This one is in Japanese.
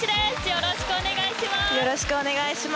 よろしくお願いします。